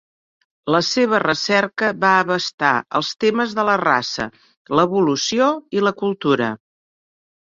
La seva recerca va abastar els temes de la raça, l'evolució i la cultura.